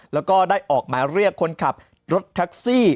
แล้วก็ได้ออกหมายเรียกคนขับรถแท็กซี่